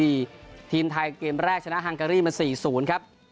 ทีมไทยเกมแรกชนะฮังการีมา๔๐ครับ